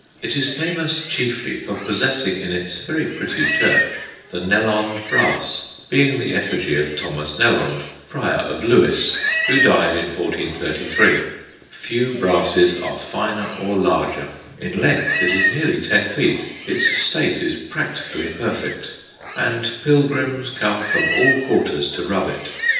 It is famous chiefly for possessing, in its very pretty church, the Nelond brass, being the effigy of Thomas Nelond, Prior of Lewes, who died in 1433. Few brasses are finer or larger; in length it is nearly ten feet, its state is practically perfect, and pilgrims come from all quarters to rub it.